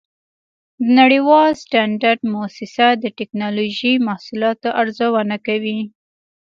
د نړیوال سټنډرډ مؤسسه د ټېکنالوجۍ محصولاتو ارزونه کوي.